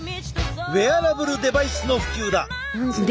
ウェアラブルデバイスの普及だ。